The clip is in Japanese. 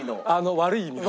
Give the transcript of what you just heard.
悪い意味の？